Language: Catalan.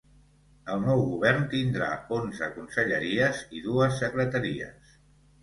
El nou govern tindrà onze conselleries i dues secretaries.